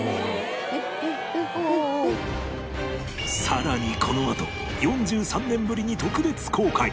さらにこのあと４３年ぶりに特別公開！